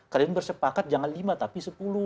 kalian bersepakat jangan lima tapi sepuluh